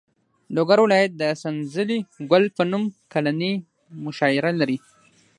لوګر ولایت د سنځلې ګل په نوم کلنۍ مشاعره لري.